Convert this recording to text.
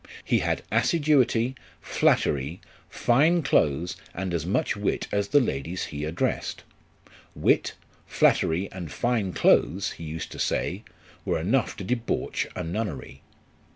He had assiduity, flattery, fine clothes, and as much wit as the ladies he addressed. Wit, flattery, and fine clothes, he used to say, were enough to debauch a nunnery.